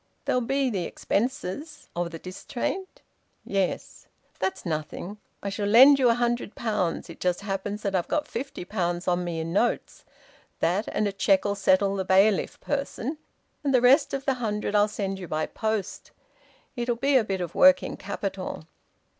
"There'll be the expenses." "Of the distraint?" "Yes." "That's nothing. I shall lend you a hundred pounds. It just happens that I've got fifty pounds on me in notes. That and a cheque'll settle the bailiff person, and the rest of the hundred I'll send you by post. It'll be a bit of working capital."